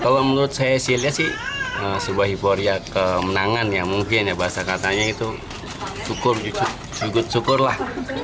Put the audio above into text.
kalau menurut saya siri sih sebuah hibur yang kemenangan ya mungkin ya bahasa katanya itu syukur cukup syukur lah